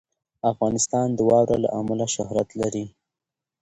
افغانستان د واوره له امله شهرت لري.